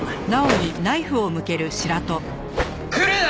来るな！